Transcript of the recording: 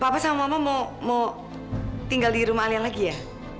bapak sama mama mau tinggal di rumah kalian lagi ya